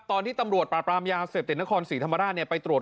ตอนที่ตำรวจปราบรามยาเสพติดนครศรีธรรมราชไปตรวจ